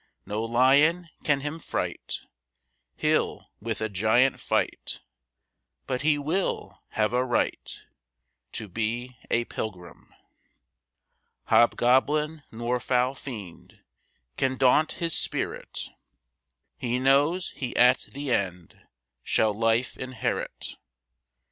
No lion can him fright; He'll with a giant fight, But he will have a right To be a pilgrim. "Hobgoblin nor foul fiend Can daunt his spirit; He knows he at the end Shall life inherit.